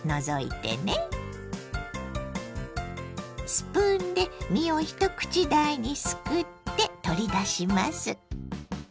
スプーンで実を一口大にすくって取り出します。